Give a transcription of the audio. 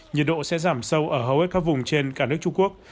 nhiệt độ sẽ giảm sâu ở hầu hết các vùng trên cả nước trung quốc